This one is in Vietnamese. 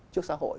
trước xã hội